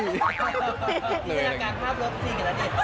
นี่ทางการภาพรถเตรียมกับมาณเดชน์